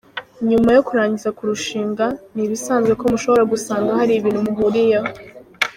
Nyuma yo kurangiza kurushinga, ni ibisanzwe ko mushobora gusanga hari ibintu muhuriyeho.